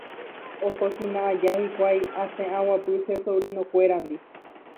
Okosina aja hikuái asẽ aguapy che sobrinokuérandi